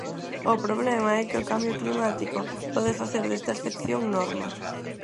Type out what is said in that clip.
O problema é que o cambio climático pode facer desta excepción norma.